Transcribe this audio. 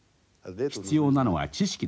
必要なのは知識です。